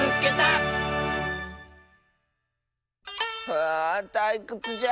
はあたいくつじゃ。